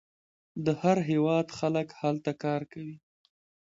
د هر هیواد خلک هلته کار کوي.